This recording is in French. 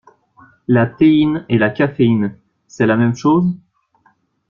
La théine et la caféine, c'est la même chose?